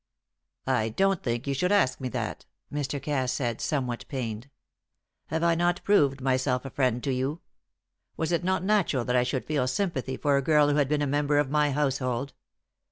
"I don't think you should ask me that," Mr. Cass said, somewhat pained. "Have I not proved myself a friend to you? Was it not natural that I should feel sympathy for a girl who had been a member of my household.